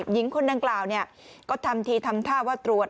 หญิงคนดังกล่าวก็ทำทีทำท่าว่าตรวจ